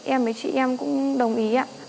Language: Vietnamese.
em với chị em cũng đồng ý ạ